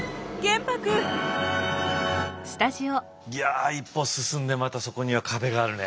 いや一歩進んでまたそこには壁があるね。